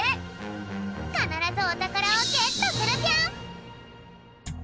かならずおたからをゲットするぴょん！